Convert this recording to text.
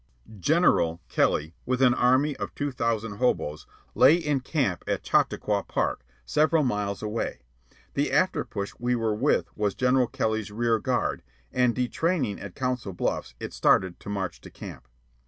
"General" Kelly, with an army of two thousand hoboes, lay in camp at Chautauqua Park, several miles away. The after push we were with was General Kelly's rear guard, and, detraining at Council Bluffs, it started to march to camp.